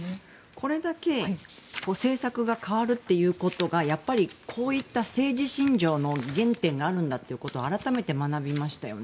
これだけ政策が変わるということがやっぱりこういった政治信条の原点があるんだということを改めて学びましたよね。